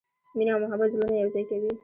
مینه او محبت زړونه یو ځای کوي.